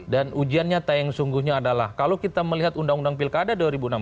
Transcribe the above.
dan ujian nyata yang sungguhnya adalah kalau kita melihat undang undang pilkada dua ribu enam belas